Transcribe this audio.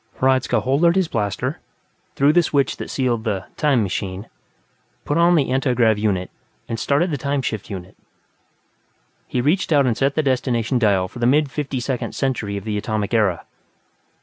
Hradzka holstered his blaster, threw the switch that sealed the "time machine", put on the antigrav unit and started the time shift unit. He reached out and set the destination dial for the mid Fifty Second Century of the Atomic Era.